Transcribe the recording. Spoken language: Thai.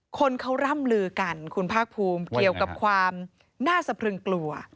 คนเขาร่ำลือกันคุณภาคภูมิเกี่ยวกับความน่าสะพรึงกลัว